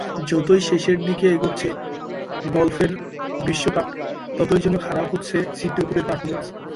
যতই শেষের দিকে এগোচ্ছে গলফের বিশ্বকাপ, ততই যেন খারাপ হচ্ছে সিদ্দিকুরের পারফরম্যান্স।